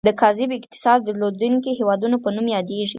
د کاذب اقتصاد درلودونکي هیوادونو په نوم یادیږي.